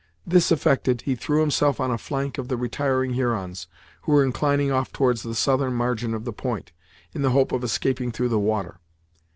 This effected, he threw himself on a flank of the retiring Hurons, who were inclining off towards the southern margin of the point, in the hope of escaping through the water.